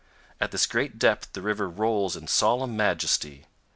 At this great depth the river rolls in solemn majesty.